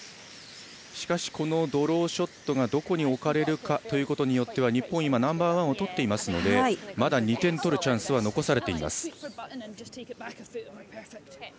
しかし、ドローショットがどこに置かれるかによっては日本、今ナンバーワンをとっていますのでまだ２点取るチャンスは残されています。